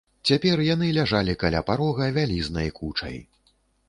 Цяпер яны ляжалі каля парога вялізнай кучай.